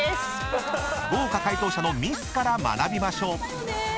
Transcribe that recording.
［豪華解答者のミスから学びましょう］